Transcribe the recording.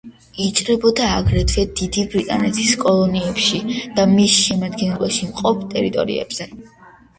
იჭრებოდა აგრეთვე დიდი ბრიტანეთის კოლონიებში და მის შემადგენლობაში მყოფ ტერიტორიებზე.